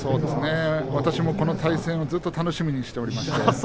私もこの対戦をずっと楽しみにしておりました。